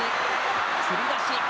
つり出し。